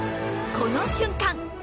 この瞬間！